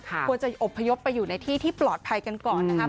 ควรจะอบพยพไปอยู่ในที่ที่ปลอดภัยกันก่อนนะครับ